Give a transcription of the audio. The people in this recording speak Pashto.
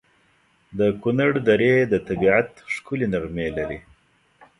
د کنړ درې د طبیعت ښکلي نغمې لري.